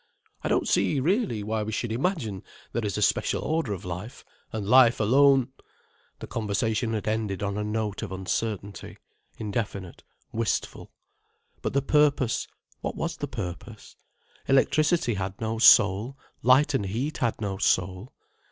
I don't see, really, why we should imagine there is a special order of life, and life alone——" The conversation had ended on a note of uncertainty, indefinite, wistful. But the purpose, what was the purpose? Electricity had no soul, light and heat had no soul.